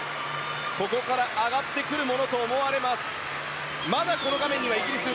ここから上がってくるものと思われます。